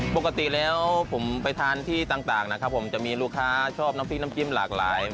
ปกติแล้วผมไปทานที่ต่างนะครับผมจะมีลูกค้าชอบน้ำพริกน้ำจิ้มหลากหลาย